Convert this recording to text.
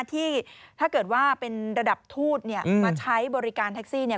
ที่ถ้าเกิดว่าเป็นระดับทูตมาใช้บริการแท็กซี่